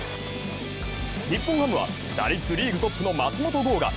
日本ハムは打率リーグトップの松本剛が